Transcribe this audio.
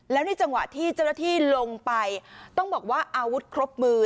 แล้วในจังหวะที่เจ้าหน้าที่ลงไปต้องบอกว่าอาวุธครบมือ